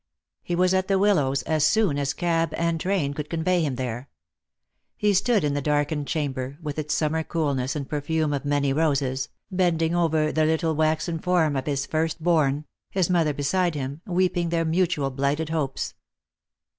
He was at the Willows as soon as cab and train could convey Lost for Love. 295 him there. He stood in the darkened chamber, with its summer coolness and perfume of many roses, bending over the little waxen form of his first born, his mother beside him, weeping their mutual blighted hopes.